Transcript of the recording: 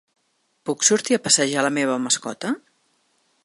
Puc sortir a passejar la meva mascota?